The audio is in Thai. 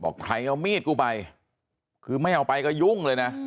ใครเอามีดกูไปคือไม่เอาไปก็ยุ่งเลยนะ